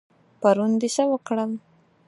پرون د څه وکړل؟